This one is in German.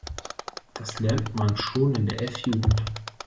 Das lernt man schon in der F-Jugend.